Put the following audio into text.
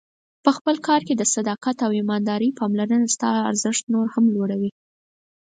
په خپل کار کې د صداقت او ایماندارۍ پاملرنه ستا ارزښت نور هم لوړوي.